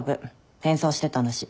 変装してたんだし。